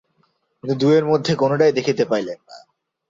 কিন্তু দুয়ের মধ্যে কোনোটাই দেখিতে পাইলেন না।